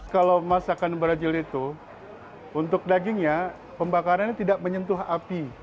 kalau masakan brazil itu untuk dagingnya pembakarannya tidak menyentuh api